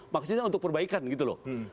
maksudnya untuk perbaikan gitu loh